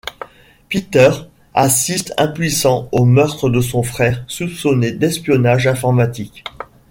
Peter assiste impuissant au meurtre de son frère, soupçonné d'espionnage informatique.